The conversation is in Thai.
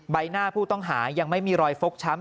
ใบหน้าผู้ต้องหายังไม่มีรอยฟกช้ำ